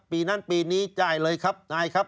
ปีนั้นปีนี้จ่ายเลยครับนายครับ